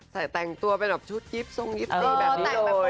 ใส่แต่งตัวเป็นแบบชุดยิปทรงยิปตีแบบนี้เลย